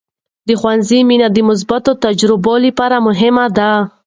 د ښوونځي مینه د مثبتې تجربې لپاره مهمه ده.